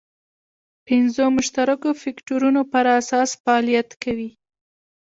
پنځو مشترکو فکټورونو پر اساس فعالیت کوي.